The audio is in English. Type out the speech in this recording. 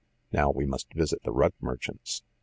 Now we must visit the rug merchants.